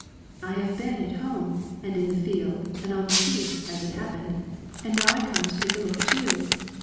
'I have been at home, and in the field, and on the heath, as it happened, and now I come to take a look at you.'